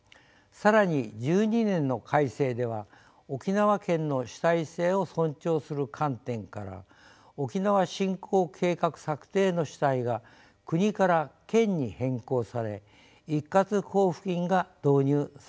更に１２年の改正では沖縄県の主体性を尊重する観点から沖縄振興計画策定の主体が国から県に変更され一括交付金が導入されました。